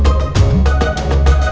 dot dot dot buka dot buka dot